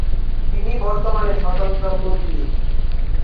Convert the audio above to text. তিনি বর্তমানে স্বতন্ত্র প্রতিনিধি।